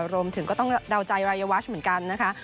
รวมถึงก็ต้องเดาใจรายวัชเหมือนกันนะคะ